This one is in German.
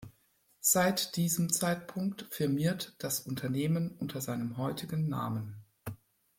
Seit diesem Zeitpunkt firmiert das Unternehmen unter seinem heutigen Namen.